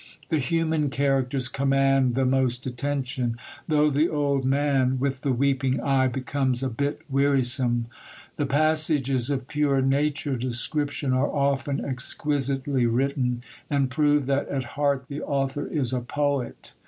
The human characters command the most attention, though the old man with the weeping eye becomes a bit wearisome. The passages of pure nature description are often exquisitely written, and prove that at heart the author is a poet.